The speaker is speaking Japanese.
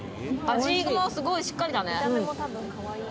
味がすごいしっかりだね。